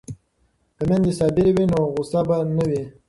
که میندې صابرې وي نو غوسه به نه وي.